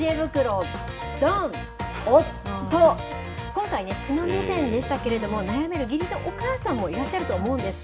今回ね、妻目線でしたけれども、悩める義理のお母さんもいらっしゃると思うんです。